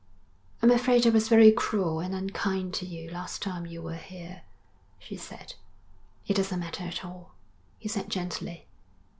'I'm afraid I was very cruel and unkind to you last time you were here,' she said. 'It doesn't matter at all,' he said gently.